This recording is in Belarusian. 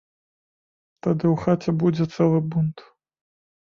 Тады ў хаце будзе цэлы бунт.